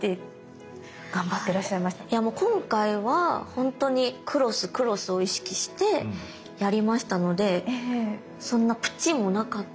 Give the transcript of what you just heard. いやもう今回は本当にクロスクロスを意識してやりましたのでそんなプッチンもなかったし。